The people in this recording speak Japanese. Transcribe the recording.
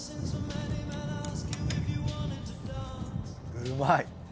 うまい。